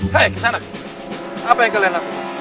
hei kesana apa yang kalian lakuin